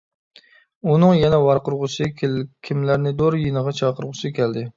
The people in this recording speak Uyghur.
ئۇنىڭ يەنە ۋارقىرىغۇسى، كىملەرنىدۇر يېنىغا چاقىرغۇسى كەلدى.